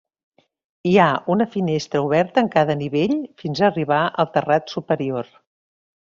Hi ha una finestra oberta en cada nivell fins a arribar al terrat superior.